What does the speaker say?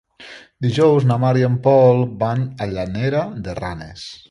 Dijous na Mar i en Pol van a Llanera de Ranes.